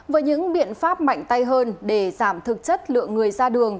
với những biện pháp mạnh tay hơn để giảm thực chất lượng người ra đường